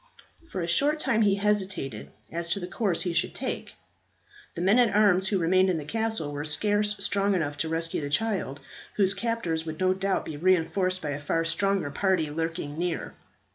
For a short time he hesitated as to the course he should take. The men at arms who remained in the castle were scarce strong enough to rescue the child, whose captors would no doubt be reinforced by a far stronger party lurking near.